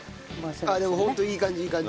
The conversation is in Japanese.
でもホントいい感じいい感じ。